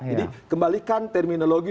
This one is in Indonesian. jadi kembalikan terminologi